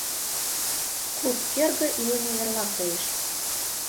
Клуб кӧргӧ илыме верла коеш.